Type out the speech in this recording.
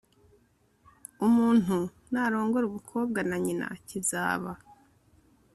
Umuntu narongora umukobwa na nyina kizaba